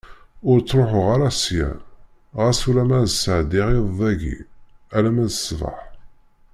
Ur ttruḥuɣ ara ssya, ɣas ulamma ad sɛeddiɣ iḍ dagi, alamma d ṣṣbeḥ.